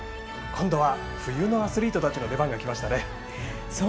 今度は、冬のアスリートたちの出番がきましたね。